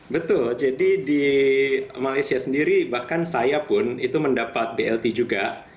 betul jadi di malaysia sendiri bahkan saya pun itu mendapat blt juga